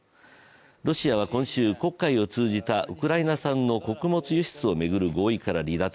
ロシアは今週、黒海を通じたウクライナ産の穀物輸出を巡る合意から離脱。